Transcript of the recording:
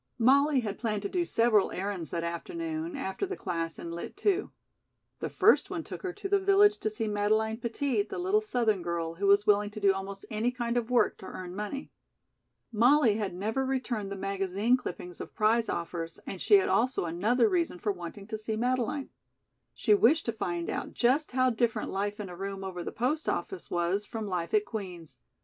Molly had planned to do several errands that afternoon, after the class in Lit. II. The first one took her to the village to see Madeleine Petit, the little Southern girl, who was willing to do almost any kind of work to earn money. Molly had never returned the magazine clippings of prize offers, and she had also another reason for wanting to see Madeleine. She wished to find out just how different life in a room over the post office was from life at Queen's.